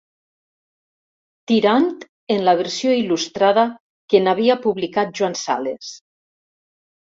Tirant en la versió il·lustrada que n'havia publicat Joan Sales.